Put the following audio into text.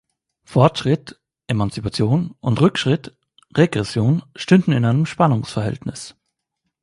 Fortschritt (Emanzipation) und Rückschritt (Regression) stünden in einem Spannungsverhältnis.